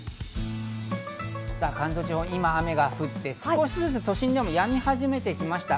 関東地方、今、雨が降って、少しずつ都心でも、やみ始めてきました。